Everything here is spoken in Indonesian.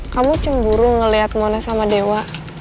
kamu cemburu ngeliat mona sama dewa